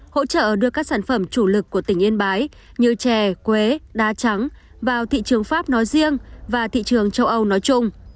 hỗ trợ đưa các sản phẩm chủ lực của tỉnh yên bái như chè quế đá trắng vào thị trường pháp nói riêng và thị trường châu âu nói chung